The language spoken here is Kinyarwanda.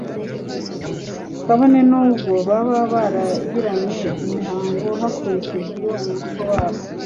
kabone n'ubwo baba baragiranye imihango hakurikijwe umuco wabo